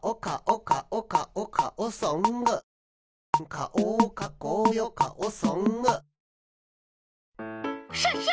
「かおをかこうよかおソング」クシャシャ！